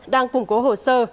đang củng cố hồ sơ